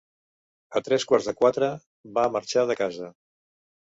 A tres quarts de quatre va marxar de casa.